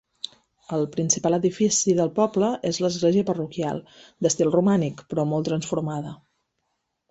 El principal edifici del poble és l’església parroquial, d’estil romànic, però molt transformada.